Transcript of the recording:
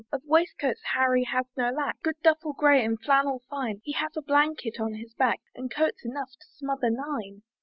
Of waistcoats Harry has no lack, Good duffle grey, and flannel fine; He has a blanket on his back, And coats enough to smother nine.